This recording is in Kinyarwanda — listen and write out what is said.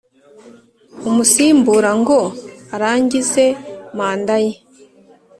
Umusimbura ngo arangize manda ye